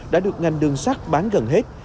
đã được ngành đường sắt bán gần hết